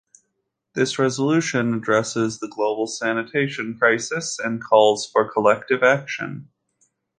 This resolution addresses the global sanitation crisis and calls for collective action.